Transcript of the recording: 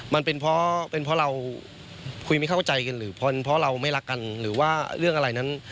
มันเป็นเพราะเป็นเพราะเราคุยไม่เข้าใจกันหรือเพราะเราไม่รักกันหรือว่าเรื่องอะไรนั้น